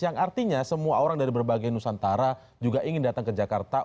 yang artinya semua orang dari berbagai nusantara juga ingin datang ke jakarta